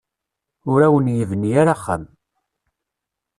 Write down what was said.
Ur awen-yebni ara axxam.